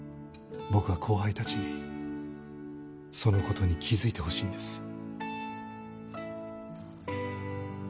僕は後輩たちにその事に気づいてほしいんです。